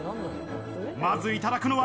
まずいただくのは。